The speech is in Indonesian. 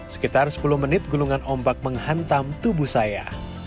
sekitar sepuluh menit gulungan ombak menghantam tubuh saya